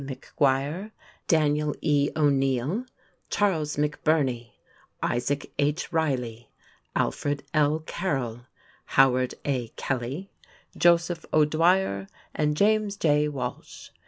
McGuire, Daniel E. O'Neill, Charles McBurney, Isaac H. Reiley, Alfred L. Carroll, Howard A. Kelly, Joseph O'Dwyer, and James J. Walsh.